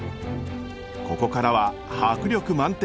ここからは迫力満点！